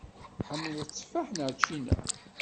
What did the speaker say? Tḥemmleḍ tteffaḥ neɣ ččina?